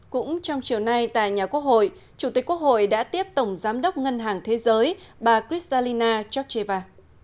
cũng trong chiều nay tại nhà quốc hội chủ tịch quốc hội đã tiếp tổng giám đốc ngân hàng thế giới bà kristalina georgeva